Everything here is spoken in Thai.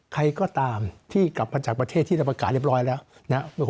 ใครก็ตามที่กลับมาจากประเทศที่เราประกาศเรียบร้อยแล้วนะครับ